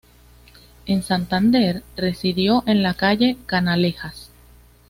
En Santander, residió en la calle Canalejas.